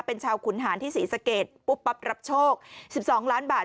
เป็นชาวขุนหารที่ศรีสะเกดปุ๊บปั๊บรับโชค๑๒ล้านบาท